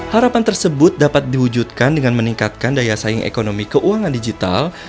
harapan tersebut dapat diwujudkan dengan meningkatkan daya saing ekonomi keuangan digital